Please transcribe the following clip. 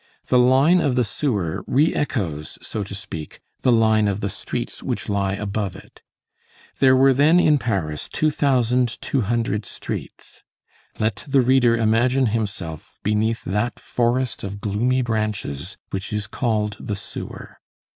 The line of the sewer re echoes, so to speak, the line of the streets which lie above it. There were then in Paris two thousand two hundred streets. Let the reader imagine himself beneath that forest of gloomy branches which is called the sewer.